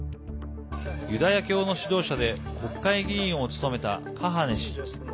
ユダヤ教の指導者で国会議員を務めたカハネ師。